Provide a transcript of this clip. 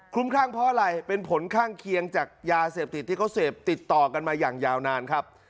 ข้างเพราะอะไรเป็นผลข้างเคียงจากยาเสพติดที่เขาเสพติดต่อกันมาอย่างยาวนานครับ